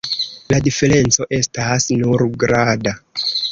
La diferenco estas nur grada.